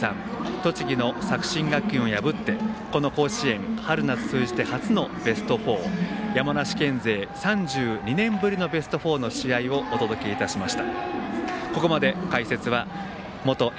栃木・作新学院を破ってこの甲子園、春夏通じて初の山梨県勢３２年ぶりのベスト４の試合をお届けいたしました。